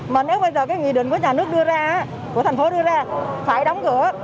mà nếu bây giờ cái nghị định của nhà nước đưa ra của thành phố đưa ra phải đóng cửa